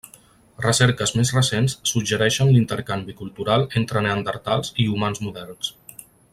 Recerques més recents suggereixen l'intercanvi cultural entre neandertals i humans moderns.